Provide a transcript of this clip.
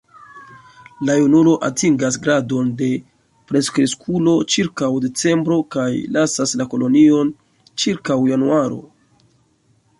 La junulo atingas grandon de plenkreskulo ĉirkaŭ decembro kaj lasas la kolonion ĉirkaŭ januaro.